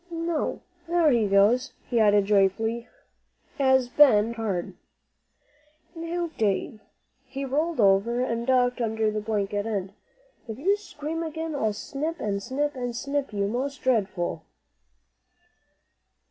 "No, there he goes!" he added joyfully, as Ben breathed hard. "Now, Dave," he rolled over and ducked under the blanket end, "if you scream again, I'll snip, and snip, and snip you, most dreadful."